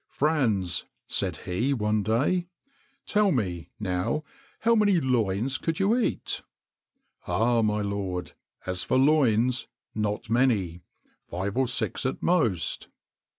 "Franz," said he, one day, "tell me, now, how many loins you could eat?" "Ah! my lord, as for loins, not many: five or six at most."